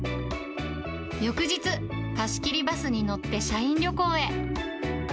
翌日、貸し切りバスに乗って社員旅行へ。